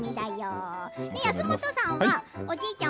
安元さんはおじいちゃん